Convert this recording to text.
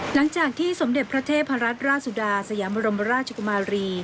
หลังจากที่สมเด็จพระเทพรัฐราชสุดาสยามรมราชกุมารี